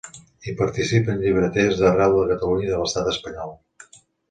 Hi participen llibreters d'arreu de Catalunya i de l'Estat espanyol.